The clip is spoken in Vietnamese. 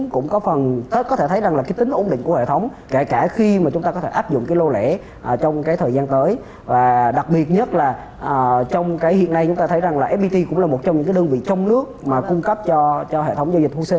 cũng có phần có thể thấy rằng là cái tính ổn định của hệ thống kể cả khi mà chúng ta có thể áp dụng cái lô lễ trong cái thời gian tới và đặc biệt nhất là trong cái hiện nay chúng ta thấy rằng là fpt cũng là một trong những cái đơn vị trong nước mà cung cấp cho hệ thống giao dịch hose